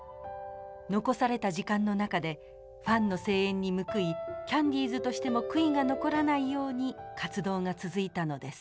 残された時間の中でファンの声援に報いキャンディーズとしても悔いが残らないように活動が続いたのです。